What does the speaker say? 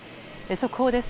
速報です。